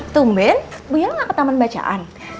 tumben bu yola gak ke taman bacaan